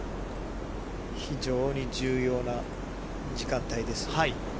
非常に重要な時間帯です。